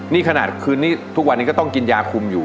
นี่ขนาดคืนนี้ทุกวันนี้ก็ต้องกินยาคุมอยู่